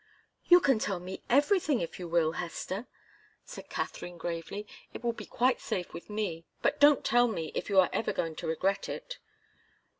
"You can tell me everything if you will, Hester," said Katharine, gravely. "It will be quite safe with me. But don't tell me, if you are ever going to regret it."